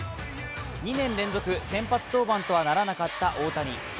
２年連続先発登板とはならなかった大谷。